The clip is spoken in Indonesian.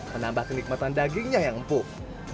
menambah kenikmatan dagingnya yang empuk